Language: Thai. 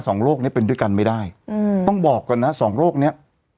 สองโรคนี้เป็นด้วยกันไม่ได้อืมต้องบอกก่อนนะสองโรคเนี้ย